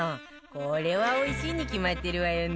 これはおいしいに決まってるわよね